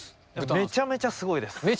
めちゃめちゃすごい？